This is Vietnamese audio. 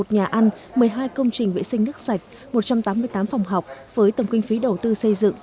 một nhà ăn một mươi hai công trình vệ sinh nước sạch một trăm tám mươi tám phòng học với tầm kinh phí đầu tư xây dựng